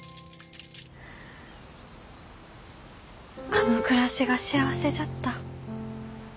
あの暮らしが幸せじゃった。